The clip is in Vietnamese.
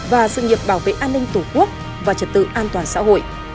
và sự nghiệp bảo vệ an ninh tổ quốc và trật tự an toàn xã hội